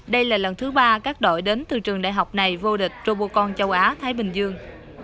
đây là lần thứ ba các đội đến từ trường đại học này vô địch robocon châu á thái bình dương